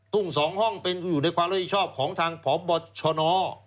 ทุ่ง๒ห้องเป็นอยู่ในความรับผิดชอบของทางพบชน